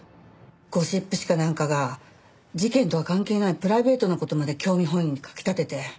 ゴシップ誌かなんかが事件とは関係ないプライベートな事まで興味本位に書き立てて。